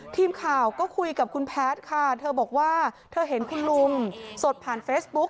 ทีมข่าวก็คุยกับคุณแพทย์ค่ะเธอบอกว่าเธอเห็นคุณลุงสดผ่านเฟซบุ๊ก